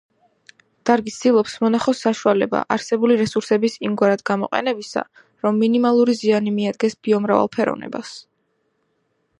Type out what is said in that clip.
დარგი ცდილობს მონახოს საშუალება არსებული რესურსების იმგვარად გამოყენებისა, რომ მინიმალური ზიანი მიადგეს ბიომრავალფეროვნებას.